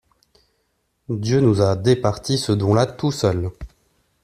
Dieu nous a départi ce don-là tout seul.